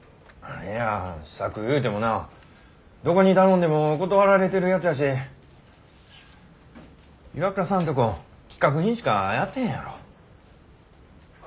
いや試作いうてもなどこに頼んでも断られてるやつやし岩倉さんとこ規格品しかやってへんやろ。